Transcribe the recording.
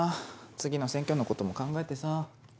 次の選挙のことも考えてさ。